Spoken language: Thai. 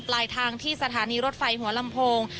ปลายทางที่สถานีรถไฟหัวลำโพง